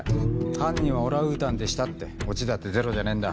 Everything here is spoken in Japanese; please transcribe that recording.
犯人はオランウータンでしたってオチだってゼロじゃねえんだ。